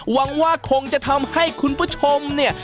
หวังว่าคงจะทำให้คุณผู้ชมเนี่ย